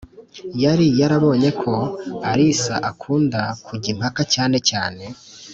yari yarabonye ko Alyssa akunda kujya impaka cyane cyane